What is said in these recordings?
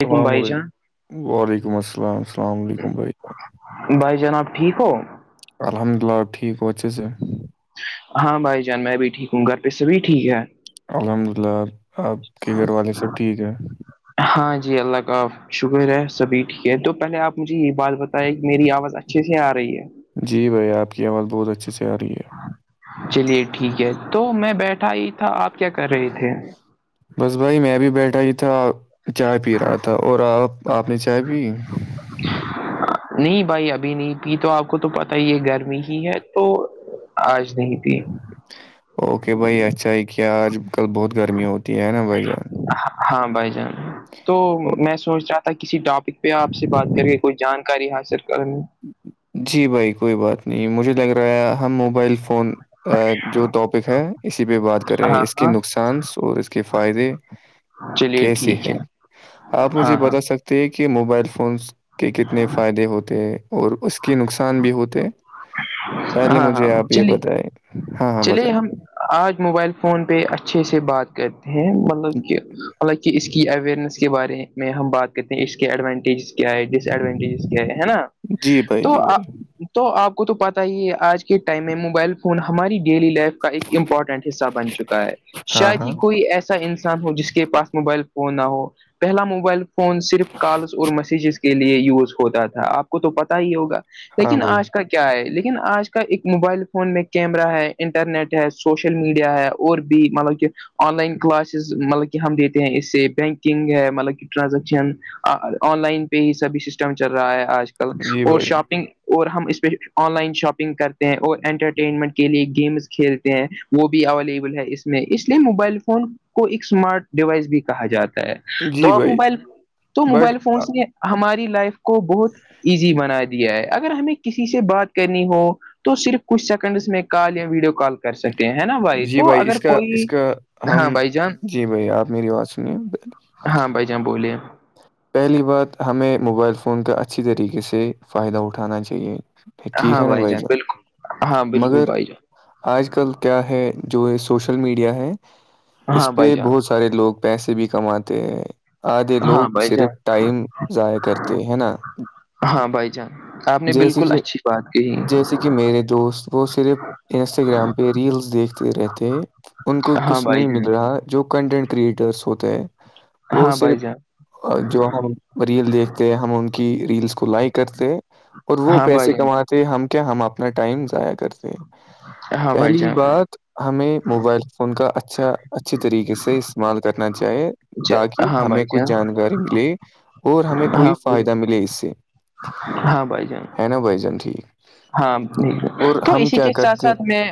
وعلیکم السلام بھائی جان علیکم وعلیکم السلام السلام علیکم بھائی بھائی جناب ٹھیک ہو الحمد للہ ٹھیک بوتچےسے ہاں بھائی جان میں بھی ٹھیک ہوں گھر پہ سےب بھی ٹھیک ہے الحمد للہ آپ کے گھر والے سب ٹھیک ہیں ہاں جی اللہ کا آ شکر ہے سبھی ٹھیک ہے تو پہلے آپ مجھے یہ بات بتائییں کہ میری آواز اچھی اچھے سے آ رہی ہے جی بھائی آپ کی آواز بہت اچھے سے آ رہی ہے چلیے ٹھیک ہے تو میں بیٹھا ہی تھا آپ کیا کر رہے تھے بس بھائی میں بھی بیٹھا ہی تھا چائے پی رہا تھا اور آپ آپ نے چائے پی [unintelligible] نہیں بھائی ابھی نہیں کی تو آپ کو تو پت ہی یہ گرمی ہی ہے تو آج نہیں تھی اوکے بھائی اچھا ہے کیا آج کل بہت گرمییا ہوتی ہے نا بھائی جان ہاں بھائی جان تو او- میں سوچ رہا تھا کسی ٹاپک پہ آپ سے بات کر کے کوئی جانکاری حاصل کرنے جی بھائی کوئی بات نہیں مجھے لگ رہا ہے ہم موبائل فون جو ٹاپک ہے اسی پہ بات کریں ہاں اس کے ہاں نقصان اور اس کے فائدے چلیے کیسی ٹھیک ہے آپ ہاں مجھے ہاں بتا سکتے تھ کہ موبائل فونس کے کتنے فائدے ہوتے ہیں اور اس کی نقصان بھی ہوتے پہلے ہاں ہاں مجھے آپ یہ چلیے بتائیں ہاں ہاں چلے بتائیں ہم آج موبائل فون پہ اچھے سے بات کر ہیں مطلب کہ مطلب کہ اس کی اوئرنیس کے بارے میں ہم بات کرتے ہیں اس کے ایڈوانٹیجز کیا ہے ڈس ایڈوانٹیجز کیا ہے ہے نا جی بھائی تو جی بھائی تو آپ کو تو پتا ہی آج کے کے ٹائم میں موبائل فون ہماری ڈیلی لائف کا ایک امپورٹنٹ حصہ بن چکا ہے ہاں شاید ہاں ہی کوئی ایسا انسان ہو جس کے پاس موبائل فون نہ ہو پہلا موبائل فون صرف کالس اور میسجز کے لیے یوز ہوتا تھا آپ کو تو پتا ہی ہوگا ہاں لیکن بھائی آج کا کیا ہے لیکن آج کا ایک موبائل فون میں کیمرہ ہے انٹرنیٹ ہے سوشل میڈیا ہے اور بھی مطلب کہ آن لائن کلاسز مطلب کہ ہم دیتے ہیں اس سے بینکنگ ہے مطلب کہ ٹرانزیکشن آن لائن پہ ہی سبھی سسٹم چل رہا ہے آج کل جی اور بھائی شاپنگ اور ہم اسپ آن لائن شاپنگ کرتے ہیں اور انٹرٹین منٹ کے لیے گیمس کھیلتے ہیں وہ بھی اویلیبل ہے اس میں اس لیے موبائل فون کو ایک اسمارٹ ڈیوائس بھی کہا جاتا ہے جی تو بھائی موبائل تو بٹ موبائل فونس نے ہماری لائف کو بہت ایزی بناائے ہے اگر ہمیں کسی سے بات کرنی ہو تو صرف کچھ سیکنڈس میں کال یا ویڈیو کال کر کر سکے ہے نا بھائی جی تو اگر اس کا کوئی اس کا ہاں ہم بھائی جان جی بھائی آپ میری بات سنیے ہاں بھائی جاں بولیے پہلی بات ہمیں موبائل فون کا اچھی طریقے سے فائدہ اٹھانا چاہیے ٹھیک ہاں ہے نا بھائی جان بالکل ہاں بالکل مگر بھائی جان آج کل کیا ہے جو سوشل میڈیا ہے ہاں اس بھائی پہ جان بہت سارے لوگ پیسے بھی کماتے ہیں آدھے لوگ ہاں بھائی جان صرف ٹائم ضائع کرتے ہے نا ہاں بھائی چان نے جیسے بالکل کہ اچھی بات جیسے کہ میرے دوست وہ صرف انسٹاگرام پہ ریلس دیکھتے رہتے ہیں ان کو ہاں کچھ بھائی نہیں جان مل رہا جو کنٹینٹ کریٹرس ہوتے ہیں وہ ہاں بھائی صرف جان اور جو ہم ریل دیکھتے ہم ان کی ریلس کو لائک کرتے اور وہ ہاں بھائی پیسے جان کماتے ہم کیا ہم اپنا ٹائم ضائع کرتے ہاں بھائی پہلی جان بات ہمیں موبائل فون کا اچھا اچھے طریقے سے استعمال کرنا چاہیے جے- تاکہ ہاں ہمیں بھائی کچھ جان جانکاری ملے اور ہمیں ہاں کوئی فائدہ بھائی- ملے اس سے ہاں بھائی جان ہ نا بائی جان ٹھیک ہاں اور تو ہم اسی کیا کے ساتھ کرتے ساتھ میں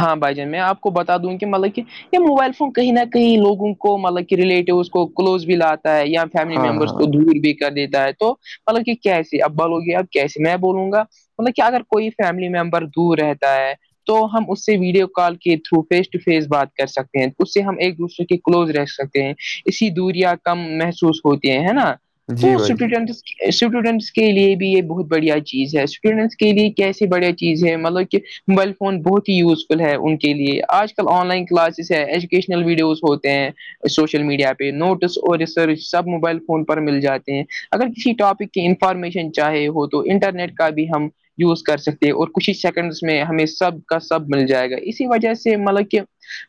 ہاں بھائی جان میں آپ کو بتا دوں کہ مطلب کہ موبائل فون کہیں نہ کہیں لوگوہہں کو مطلب کہ ریلیٹو کو کلوز بھی لاتا ہے یا فیملی ہاں ممبرس ہاں کو دور بھی کر دیتا ہے تو مطلاک کیسے ابالو گی اب کیسے میں بولوں گا مطلب کہ اگر کوئی فیملی ممبر دور رہتا ہے تو ہم اس سے ویڈیو کال کے تھرو فیس ٹو فیس بات کر سکتے ہیں اس سے ہم ایک دوسرے کے کلوز رہ سکتے ہیں اسی دوریا کم محسوس ہوتی ہیں ہے نا جی تو بھائی جی اسٹوڈنٹس اسٹوڈنٹس کے لیے بھی یہ بہت بڑھیا چیز ہے اسٹوڈنٹس کے لیے کیسیے بڑیا چیزیں ہے مطلب کہ موبائل فون بہت ہی یوزفل ہے ان کے لیے آج کل آن لائن کلاسز ہے ایجوکیشنل ویڈیوز ہوتے ہیں سوشل میڈیا پہ نوٹس اور ریسرچ سب موبائل فون پر مل جاتے ہیں اگر کسی ٹاپک انفارمیشن چاہے ہو تو انٹرنیٹ کا بھی ہم یوز کر سکتے اور کچھ ہی سیکنڈس میں ہمیں سب کا سب مل جائے گا اسی وجہ سے مطلب کہ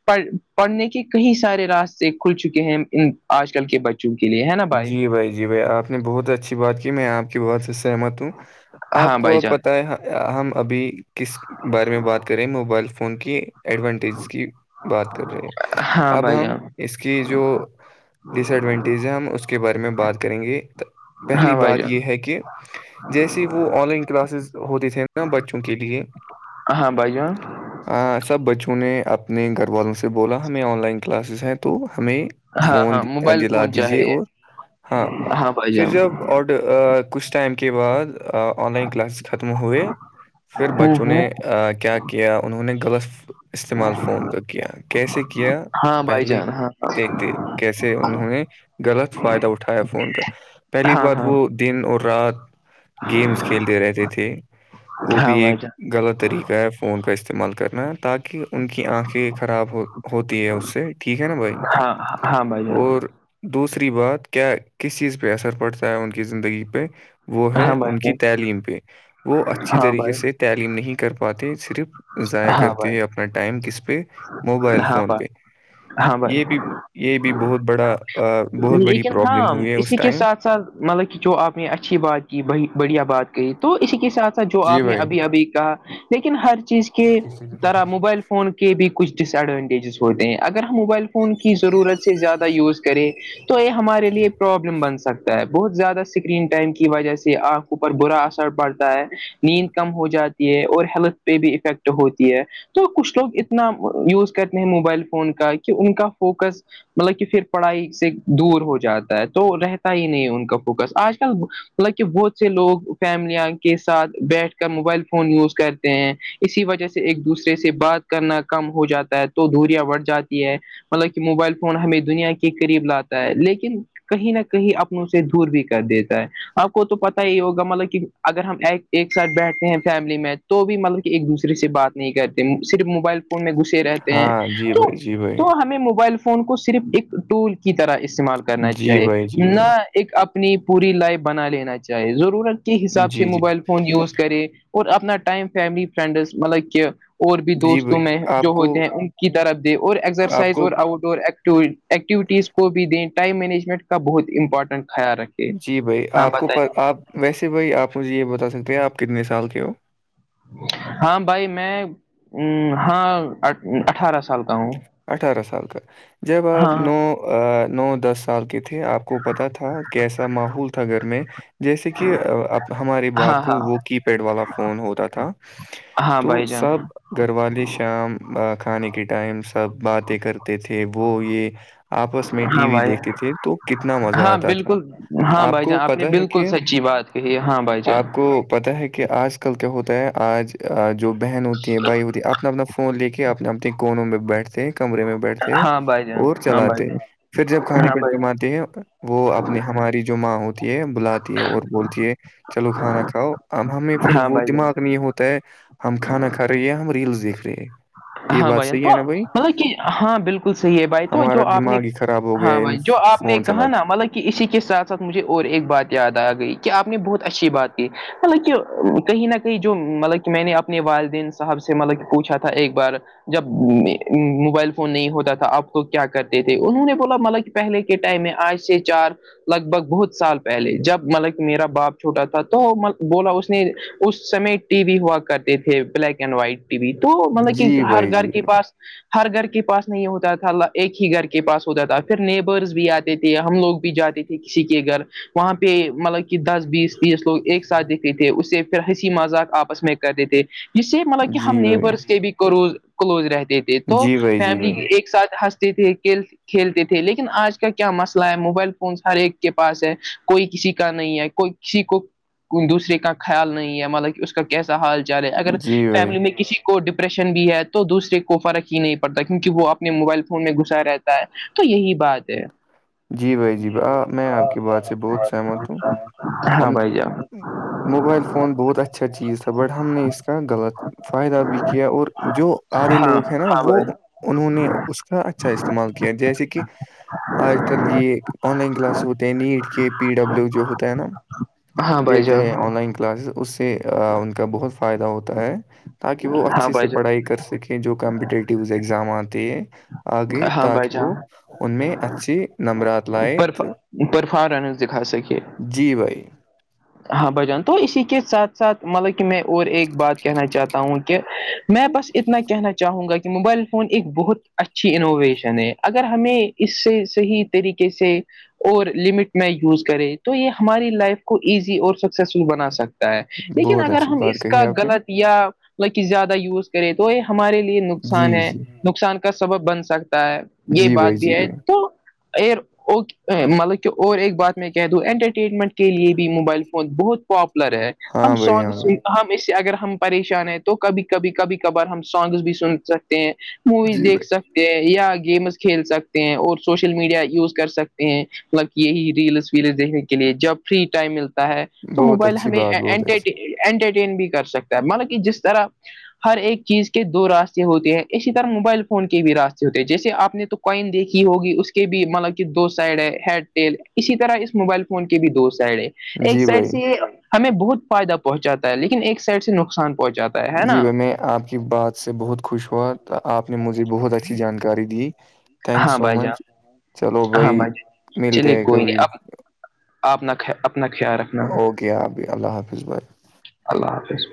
پ پڑھنے کے کئی سارے راستے کھل چکے ہیں ان آج کل کے بچوں کے لیے ہے نا بھائی بھائی جی بھائی آپ نے بہت اچھی بات کی میں آپ کی بہت سے سہمت ہوں آپ ہاں کو بھائی اب جان پت ہے ہم ہم ابھی کس بارے میں بات کر رہے ہیں موبائل فون کی ایڈوانٹیجز کی بات کر رہے ہیں ہاں اب بھائی ہم جان اس کی جو ڈس ایڈوانٹیز ہیں ہم اس کے بارے میں بات کریں گے پہلی ہاں بھائی بات جان یہ ہے کہ جیسے وہ آن لائن کلاسز ہوتے تھے نا بچوں کے لیے ہاں بھائی جان ہاں سب بچوں نے اپنے گھر والوں سے بولا ہمیں آن لائن کلاسز ہیں تو ہمیں ہاں فون ہاں موبائل دلا فون دیجیے چاہیے اور ہاں بھائی پھر جان جب اور کچھ ٹائم کے بعد آن لائن کلاسز ختم ہوئے پھر ہوں بچوں نے ہوں کیا کیا انہوں نے غلط استعمال فون کا کیا کیسے کیا ہاں بائی پہلے جان ہاں دیکھتے کیسے انہوں نے غلط فائدہ اٹھایا فون کا پہلی ہاں بار ہاں وہ دن اور رات گیمس کھیلتے رہتے تھے وہ بھی ہاں ایک بھائی جان غلط طریقہ ہے فون کا استعمال کرنا تاکہ ان کی آنکھیں خراب ہو ہوتی ہے اس سے ٹھیک ہے نا بھائی ہاں ہاں ب اور دوسری بات کیا کس چیز پہ اثر پڑتا ہے ان کی زندگی پہ وہ ہے ہاں بھائی ان کی جان، تعلیم پہ وہ اچھی ہاں طریقے بھائی سے تعلیم نہیں کر پاتے صرف ضائع ہاں بھائی کرتی ہے اپنا ٹائم کس پہ موبائل ہاں فون بھائی پہ ہاں بھائی یہ بھی یہ بھی بہت بڑا بہت بڑی لیکن ہاں پرابلم ہوئی ہے اس اسی کے ٹائم ساتھ ساتھ مطلب کہ جو آپ نے اچھی بات کی بڑھیا بات کہ تو اسی کے ساتھ جو جی آپ نے بھائی ابھی ابھی کہا لیکن ہر چیز کے چٹکی سے گزر طرح ہوا موبائل فون کے کے بھی کچھ ڈس ایڈوانٹیجز ہوتے ہیں اگر ہم موبائل فون کی ضرورت سے زیادہ یوز کرے تو یہ ہمارے لیے پرابلم بن سکتا ہے بہت زیادہ اسکرین ٹائم کی وجہ سے آنکھوں پر برا اثر پڑتا ہے نیند کم ہو جاتی ہے اور ہیلتھ پہ بھی افیکٹ ہوتی ہے تو کچھ لوگ اتنا یوز کرتے ہیں موبائل فون کا کہ ان کا فوکس مطلب کہ پھر پڑھائی سے دور ہو جاتا ہے تو رہتا ہی نہیں ان کا فوکس آج کل حالانکہ بہت سے لوگ فیملیاں کے ساتھ بیٹھ کر موبائل فون یوز کر ہیں اسی وجہ سے ایک دوسرے سے بات کرنا کم ہو جاتا ہے تو دوریاں بڑھ جاتی ہے مطلب کہ موبائل فون ہمیں دنیا کے قریب لاتا ہے لیکن کہیں نہ کہیں اپنوں سے دور بھی کر دیتا ہے آپ کو تو پتاہ ہی ہوگا مطلب کہ اگر ہم ایک ایک ساتھ بیٹھتے ہیں فیملی میں تو بھی مطلب کہ ایک دوسرے سے بات نہیں کرتے صرف موبائل فون میں گھسے رہتے ہیں ہاں جی بھائی جی بھائی تو ہمیں موبائل فون فون کو صرف ایک ٹول کی طرح استعمال کرنا جی چاہیے بھائی جی نہ بھائی ایک اپنی پوری لائف بنا لینا چاہے ضرورت کے حساب سے جی جی موبائل فون یوز کرے اور اپنا ٹائم فیملی فرینڈس مطلب کہ اور بھی جی دوستوں بھائی میں جو آپ کو ہوتے ہیں ان کی طرف دے اور آپ ایکسرسائز اور کو آؤٹ ڈور ایکٹیوی ایکٹیویٹیز کو بھی دیں ٹائم مینجمنٹ کا بہت امپارٹنٹ خیال رکھیں جی بھائی آپ کو آپ ویسے بھائی آپ مجھے یہ بتا سکتے ہیں آپ کتنے سال کے ہو ہاں بھائی میں ہاں اٹھارہ سال کا ہوں اٹھارہ سال کا جب آپ ہاں نو نو دس سال کی تھے آپ کو پتا تھا کیسا ماحول تھا گھر میں جیسے کہ اب ہمارے باپ ہاں کو ہاں وہ کی پیڈ والا فون ہوتا تھا ہاں تو بھائی جان سب گھر والے شام کھانے کے ٹائم سب باتیں کرتے تھے وہ یہ آپس میں ٹی ہاں وی بھائی دیکھتے تھے تو کتنا مزہ ہاں آتا تھا بالکل ہاں آپ بھائی کو جان نے پتا ہے بالکل کہ سچی بات کہی ہے ہاں بھائی جان آپ کو پتا ہے کہ آج ل کیا ہوتا ہے آج جو بہن ہوتی ہے بھائی ہوتی اپنا اپنا فون لے کے اپنے اپنے کونوں میں بیٹھتے کمرے میں بیٹھتے ہیں ہاں بھائی جان اور ہاں بھائی چلاتے جان پھر جب کھانے ہاں ک بھائی کماتے ہیں وہ اپنی ہماری جو ماں ہوتی ہے بلاتی ہے اور بولتی ہے چلو کھانا کھاؤ اب ہمیں پھر ہاں وہ بھائی جان دماغ نہیں ہوتا ہے ہم کھانا کھا رہے ہے ہم ریلس دیکھ رہے ہیں یہ ہاں بات بھائی صحیح تو ہے نا بھائی مطلب کہ ہاں بالکل صحیح ہے بھائی تو جو ہمارا آپ نے دماغ ہی خراب ہو گیا ہاں ہے ان بھائی جو آپ نے فون کہا نا چلاتے مطلب کہ اسی کے ساتھ ساتھ مجھے اور ایک بات یاد آ گئی کہ آپ نے بہت اچھی بات کی مطلب کہ کہیں نہ کہیں جو مطلب کہ میں نے اپنے والدین صاحب سے مطلب کہ پوچھا تھا ایک بار جب موبائل فون نہیں ہوتا تھا آپ کو کیا کرتے تھے انہوں نے بولا مالا پہلے کے ٹائم میں آج سے چار لگ بھگ بہت سال پہلے جب مطلب کہ میرا باپ چھوٹا تھا تو بولا اس نے اس سمے ٹی وی ہوا کرتے تھے black and white T V تو مطلب کہ جی ہر بھائی گھر جی کے بھائی پاس ہر گھر کے پاس نہیں ہوتا تھا اللہ ایک ہی گھر کے پاس ہوتا تھا پھر نیبرز بھی آتے تھے ہم لوگ بھی جاتے تھے کسی کے گھر وہاں پہ مطلب کہ دس بیس تیس لوگ ایک ساتھ دیکھتے تھے اس سے پھر ہنسی مذاق آپس میں کر دیتے تھے اس سے مطلب کہ ہم جی بھائی نیبرس کے بھی کروز کلوز رہتے تھے تو جی بھائی جی فیملی بھائی ایک ساتھ ہنستے تھے کل کھیلتے تھے لیکن آج کا کیا مسئلہ ہے موبائل فونس ہر ایک کے پاس ہے کوئی کسی کا نہیں ہے کوئی کسی کو کو دوسرے کا خیال نہیں ہے مطلب کہ کا کیسا حال چال رہے اگر جی بھائی فیملی میں کسی کو ڈپریشن بھی ہے تو دوسرے کو فرق ہی نہیں پڑتا کیونکہ وہ اپنے موبائل فون میں گھسا رہ تو یہی بات ہے جی بھائی جی میں آپ کی بات سے بہت سہمت ہوں ہاں ہم بھائی جان موبائل فون بہت اچھا چیز تھا بٹ ہم نے اس کا غلط فائدہ بھی کیا اور جو آدھے ہاں لوگ ہیں نا ہاں وہ بھائی انہوں نے اس کا اچھا استعمال کیا جیسے کہ آج کل یہ آن لائن کلاس ہوتے ہیں نیٹ کے پی ڈبلیو جو ہوتا ہے نا ہاں بھائی دیتے جان ہیں آن لائن کلاسز اس ان کا بہت فائدہ ہوتا ہے تاکہ وہ ہاں اچھے سے بھائی جان پڑھائی کر سک سکیں جو کمپٹیٹیو ایگزام آتے ہیں آگے ہاں بھائی تاکہ وہ جان ان میں اچ سے نمبرات لائے تو پرفارنس دکھا سکے جی بھائی ہاں بجان تو اسی کے ساتھ ساتھ مطلب کہ میں اور ایک بات کہنا چاہتا ہوں کہ میں بس اتنا کہنا چاہوں گا کہ موبائل فون ایک بہت اچھی انوویشن ہے اگر ہمیں اس سے صحیح طریقے سے اور لمٹ میں یوز کرے تو یہ ہماری لائف کو ایزی اور سکسیسفل بنا سکتے لیکن بہت اگر اچھی ہم بات اس کہی کا آپ نے غلط یا مطل کہ زیادہ یوز کریں تو یہ ہمارے لیے جی نقصان ہے جی نقصان کا سبب بن سکتا ہے یہ جی بات بھائی بھی جی ہے بھائی تو ا مطلب کہ اور ایک بات میں کہہ دوں انٹرٹینمنٹ کے لیے بھی موبائل فون بہت پاپولر ہے ہم ہاں بھائی سانگ ہاں س بھائی ہم اس سے اگر ہم پریشان ہیں تو کبھی کبھی کبھی کبار ہم سانگس بھی سن سکتے ہیں موویز جی دیکھ بھائی سکتے ہیں یا گیمس کھیل سکتے ہیں اور سوشل میڈیا یوز کر سکتے ہیں مطلب یہی ریلس ویلس دیکھنے کے لیے جب فری ٹائم ملتا ہے تو بہت موبائل اچھی ہمیں بات بہت اچھی انٹرٹین بھی کر سکتا ہے مطلب کہ جس طرح ہر ایک چیز کے دو راستے ہوتے ہیں اسی طرح موبائل فون کے بھی راستے ہوتے ہیں جیسے آپ نے تو کوئن دیکھی ہوگی اس کے بھی مطلب دو سائڈ ہے ہیئٹیل اسی طرح اس موبائل فون کے بھی دو سائڈ ہے ایک جی سائڈ بھائی سے یہ ہمیں بہت فائدہ پہنچاتا ہے لیکن ایک سائڈ سے نقصان پہنچاتا ہے ہے جی نا ب میں آپ کی بات سے بہت خوش ہوا آپ نے مجھے بہت اچھی جانکاری دی تھینک ہاں سو بھائی مچ جان چلو ہاں بھائی ملتے ہے کبھی آپنا اپنا خیال رکھ اوکے آپھی اللہ حافظ بھائی اللہ حافظ